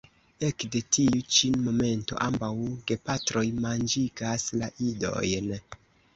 Ekde tiu ĉi momento ambaŭ gepatroj manĝigas la idojn.